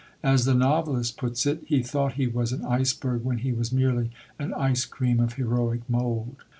As the novelist puts it, "He thought he was an iceberg when he was merely an ice cream of heroic mould."